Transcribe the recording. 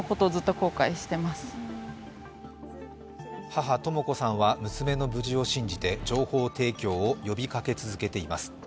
母・とも子さんは娘の無事を信じて情報提供を呼びかけ続けています。